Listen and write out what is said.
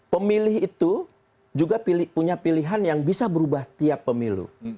pemilih itu juga punya pilihan yang bisa berubah tiap pemilu